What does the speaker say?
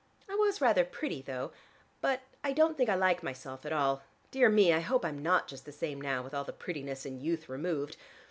"I was rather pretty, though, but I don't think I like myself at all. Dear me, I hope I'm not just the same now, with all the prettiness and youth removed.